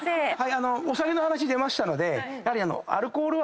お酒の話出ましたのでやはり。